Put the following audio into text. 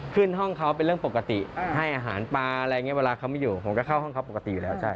ขึ้นห้องเขาเป็นเรื่องปกติให้อาหารปลาอะไรอย่างนี้เวลาเขาไม่อยู่ผมก็เข้าห้องเขาปกติอยู่แล้วใช่